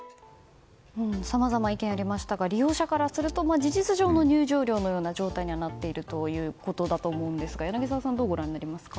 さまざま意見がありましたが利用者からすると事実上の入場料の状態になっているということだと思うんですが柳澤さんはどうご覧になりますか？